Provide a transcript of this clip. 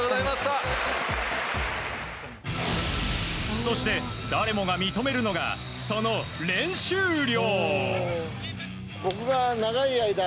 そして、誰もが認めるのがその練習量。